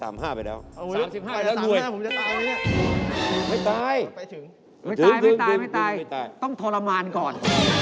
ไม่ตายต้องทรมานก่อน